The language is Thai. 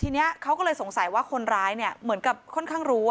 ทีนี้เขาก็เลยสงสัยว่าคนร้ายเนี่ยเหมือนกับค่อนข้างรู้